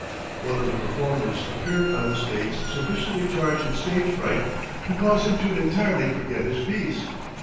One of the performers appeared on the stage sufficiently charged with stage fright to cause him to entirely forget his piece.